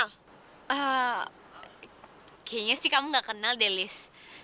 kayaknya sih kamu gak kenal delis